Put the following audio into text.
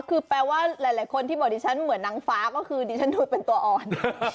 คือแปลว่าหลายคนที่บอกดิฉันเหมือนนางฟ้าก็คือดิฉันดูเป็นตัวอ่อน